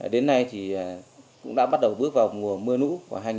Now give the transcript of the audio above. đến nay thì cũng đã bắt đầu bước vào mùa mưa nũ của hai nghìn một mươi sáu